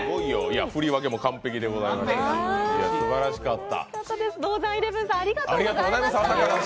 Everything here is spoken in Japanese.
振り分けも完璧でございました、すばらしかった。